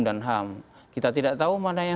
dan ham kita tidak tahu mana yang